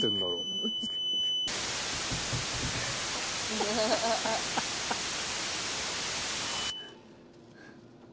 アハハハ！